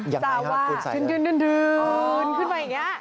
สาวว่าดื่นขึ้นไปอย่างนี้คุณใส่เลย